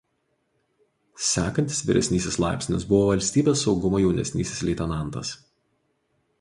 Sekantis vyresnis laipsnis buvo valstybės saugumo jaunesnysis leitenantas.